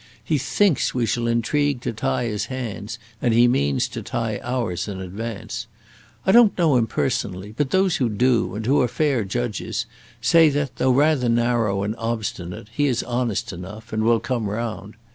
He thinks we shall intrigue to tie his hands, and he means to tie ours in advance. I don't know him personally, but those who do, and who are fair judges, say that, though rather narrow and obstinate, he is honest enough, and will come round.